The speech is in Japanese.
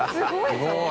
すごい。